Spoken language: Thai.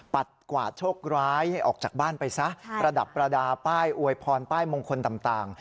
กวาดโชคร้ายให้ออกจากบ้านไปซะประดับประดาป้ายอวยพรป้ายมงคลต่าง